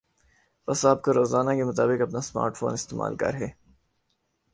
پس آپ کو روزانہ کے مطابق اپنا سمارٹ فون استعمال کر ہے